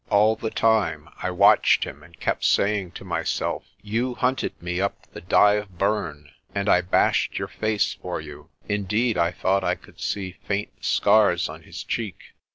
All the time I watched him, and kept saying to myself, "You hunted me up the Dyve Burn, but I bashed your face for you." Indeed, I thought I could see faint scars on his cheek.